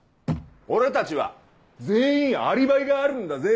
俺たちは全員アリバイがあるんだぜ！